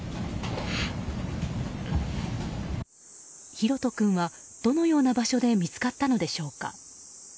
大翔君は、どのような場所で見つかったのでしょうか。